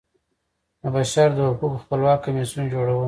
د بشر د حقوقو خپلواک کمیسیون جوړول.